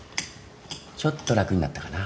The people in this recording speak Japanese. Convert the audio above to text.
ちょっと楽になったかな？